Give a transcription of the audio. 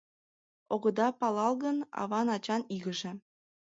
Огыда палал гын, аван-ачан игыже.